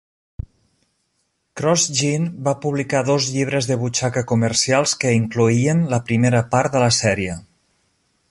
CrossGen va publicar dos llibres de butxaca comercials que incloïen la primera part de la sèrie.